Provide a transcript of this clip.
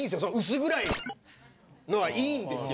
薄暗いのはいいんですよ。